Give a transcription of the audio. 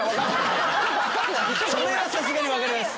それはさすがに分かります。